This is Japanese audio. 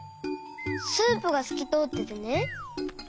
スープがすきとおっててね。